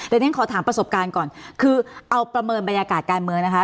เดี๋ยวฉันขอถามประสบการณ์ก่อนคือเอาประเมินบรรยากาศการเมืองนะคะ